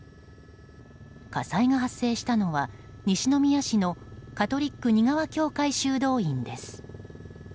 火災が発生したのは西宮市のカトリック仁川教会修道院です。